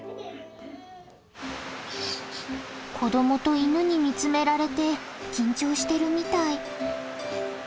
子どもと犬に見つめられて緊張してるみたい。